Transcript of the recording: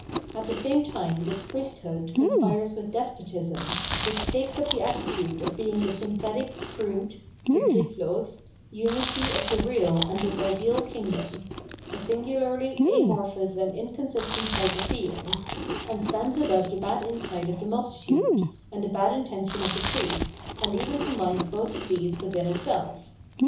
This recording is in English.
At the same time this priesthood conspires with Despotism, which takes up the attitude of being the S5mthetic crude {begrifflos) unity of the real and this ideal kingdom — a singularly amorphous and inconsistent type of being, — and stands above the bad insight of the multitude, and the bad intention of the priests, and even combines both of these within itself.